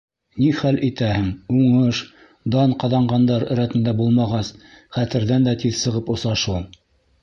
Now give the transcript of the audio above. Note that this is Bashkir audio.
Ни хәл итәһең, уңыш, дан ҡаҙанғандар рәтендә булмағас, хәтерҙән дә тиҙ сығып оса шул...